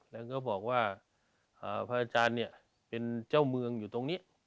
แล้วก็บอกว่าพระอาจารย์เนี่ยเป็นเจ้าเมืองอยู่ตรงนี้